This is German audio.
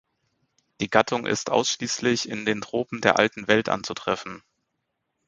Die Gattung ist ausschließlich in den Tropen der Alten Welt anzutreffen.